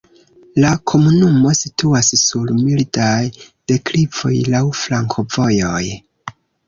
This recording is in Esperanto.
La komunumo situas sur mildaj deklivoj, laŭ flankovojoj.